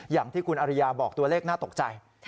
อย่างที่คุณอริยาบอกตัวเลขน่าตกใจ